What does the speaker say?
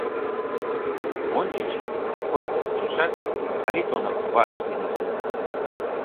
Ончыч, Костя почешак, Харитонов ватыж дене тольо.